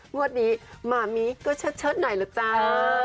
งวดนี้หม่ามีก็เฉิดไหนล่ะจ้า